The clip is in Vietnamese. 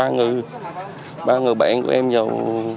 ba người ba người bạn của em vào